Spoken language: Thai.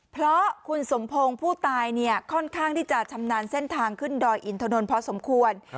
เพราะคุณสมพงศ์ผู้ตายเนี่ยค่อนข้างที่จะชำนาญเส้นทางขึ้นดอยอินทนนท์พอสมควร